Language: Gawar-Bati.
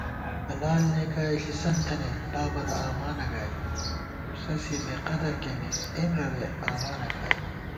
حلال نېکائے ݪِسَنت تھنَئیت بابَنہ آمانہ گائی * زُوسَسِیَہ بېقدر کېمېس اېَنرَوے آمانہ کھائی